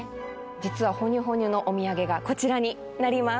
実はほにゅほにゅのお土産がこちらになります